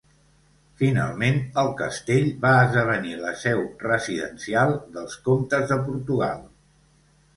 Finalment, el castell, va esdevenir la seu residencial dels Comtes de Portugal.